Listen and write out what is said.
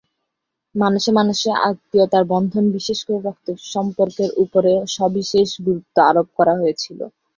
মানুষে মানুষে আত্মীয়তার বন্ধন, বিশেষ করে রক্তের সম্পর্কের ওপর সবিশেষ গুরুত্ব আরোপ করা হয়েছিলো।